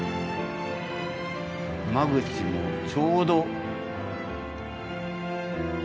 間口もちょうど。